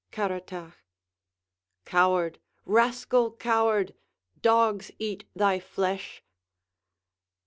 Caratach Coward, rascal coward! Dogs eat thy flesh!